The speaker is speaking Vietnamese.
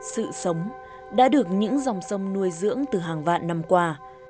sự sống đã được những dòng sông nuôi dưỡng từ hàng vạn năm qua